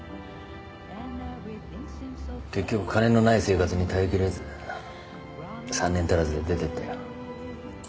結局金の無い生活に耐え切れず３年足らずで出てったよ。